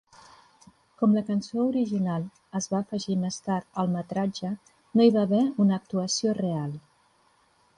Com la cançó original es va afegir més tard al metratge, no hi va haver una actuació real.